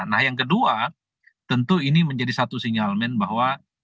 nah yang kedua tentu ini menjadi satu sinyalmen bahwa